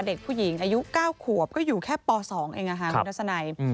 เด็กผู้หญิงอายุ๙ขวบก็อยู่แค่ป๒เองคุณทัศนัย